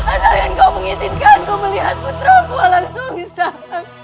asalkan kau mengizinkan kau melihat putraku walang sungsang